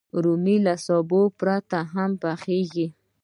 رومیان له سابه پرته هم پخېږي